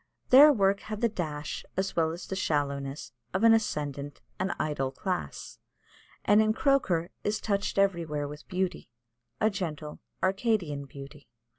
Their work had the dash as well as the shallowness of an ascendant and idle class, and in Croker is touched everywhere with beauty a gentle Arcadian beauty.